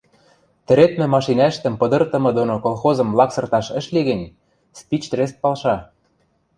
Тӹредмӹ машинӓштӹм пыдыртымы доно колхозым лаксырташ ӹш ли гӹнь, спичтрест палша...